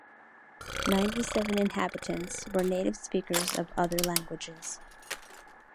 Ninety-seven inhabitants were native speakers of other languages.